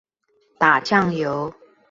打醬油